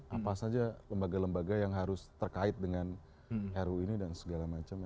apa saja lembaga lembaga yang harus terkait dengan ru ini dan segala macam